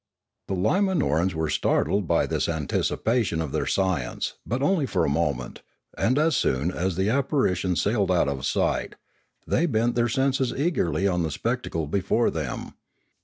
The Limanorans were startled by this anticipation of their science, but only for a moment ; and as soon as the apparition sailed out of sight, they bent their senses as eagerly on the spectacle before them.